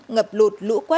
ngập lụt lũ quét